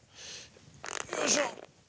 よいしょ！